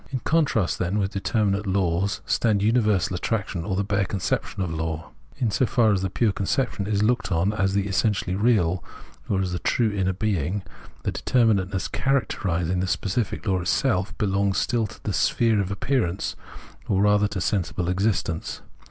In contrast, then, with determmate laws stands universal attraction, or the bare conception of law. In so far as this pure conception is looked on as the essentially real, or as the true inner being, the determinateness characterising the specific law itself belongs still to the sphere of appearance, or rather to sensible existence.